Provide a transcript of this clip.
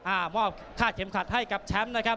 มอบค่าเข็มขัดให้กับแชมป์นะครับ